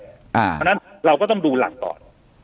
เพราะฉะนั้นเราก็ต้องดูหลักก่อน